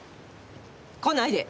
来ないで！